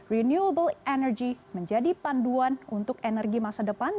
renewable energy menjadi panduan untuk energi masa depan